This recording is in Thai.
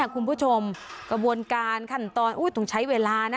กระบวนการหันตรอนต้องใช้เวลานะ